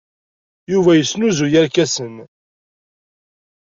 Yuba yesnuzuy irkasen.